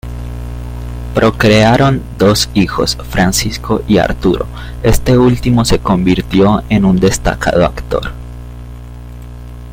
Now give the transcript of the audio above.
Procrearon dos hijos: Francisco y Arturo, este último se convirtió en un destacado actor.